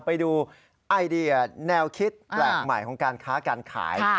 ไปดูไอเดียแนวคิดแปลกใหม่ของการค้าการขาย